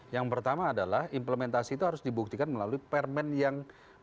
yang pertama adalah implementasi itu harus dibuktikan melalui permen yang